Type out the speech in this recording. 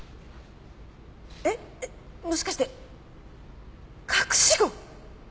えっもしかして隠し子！？